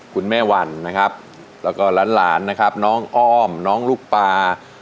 วันนะครับแล้วก็หลานนะครับน้องอ้อมน้องลูกปลา